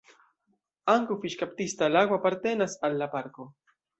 Ankaŭ fiŝkaptista lago apartenas al la parko.